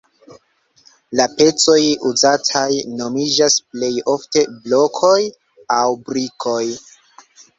La pecoj uzataj nomiĝas plej ofte blokoj aŭ brikoj.